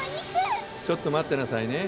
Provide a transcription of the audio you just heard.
ちょっと待ってなさいね。